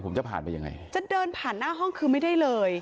ผมจะผ่านไปยังไงจะเดินผ่านหน้าห้องคือไม่ได้เลย